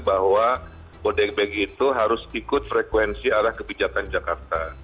bahwa bodebek itu harus ikut frekuensi arah kebijakan jakarta